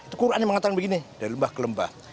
itu quran yang mengatakan begini dari lembah ke lembah